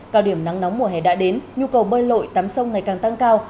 cao điểm nắng nóng mùa hè đã đến nhu cầu bơi lội tắm sông ngày càng tăng cao